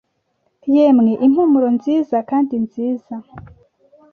Yemwe impumuro nziza kandi nziza